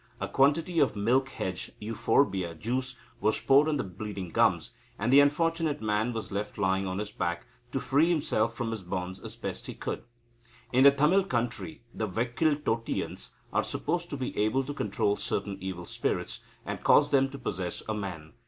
A quantity of milk hedge (Euphorbia) juice was poured on the bleeding gums, and the unfortunate man was left lying on his back, to free himself from his bonds as best he could. In the Tamil country, the Vekkil Tottiyans are supposed to be able to control certain evil spirits, and cause them to possess a man.